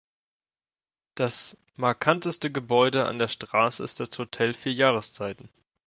Das markanteste Gebäude an der Straße ist das Hotel Vier Jahreszeiten.